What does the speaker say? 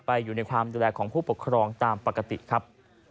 อยู่ในความดูแลของผู้ปกครองตามปกติครับ